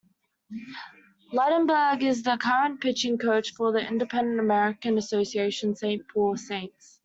Ligtenberg is the current pitching coach for the independent American Association's Saint Paul Saints.